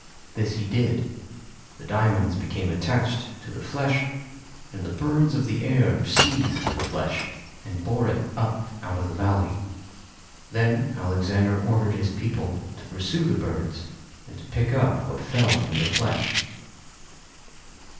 This he did, the diamonds became attached to the flesh, and the birds of the air seized the flesh and bore it up out of the valley. Then Alexander ordered his people to pursue the birds and to pick up what fell from the flesh."